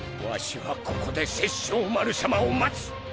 わしはここで殺生丸さまを待つ。